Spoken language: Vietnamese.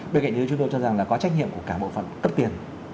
bên cạnh đấy chúng tôi cho rằng là có trách nhiệm của cả bộ phận cấp tiền